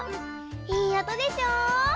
いいおとでしょ？